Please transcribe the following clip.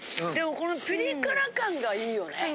でもこのピリ辛感がいいよね。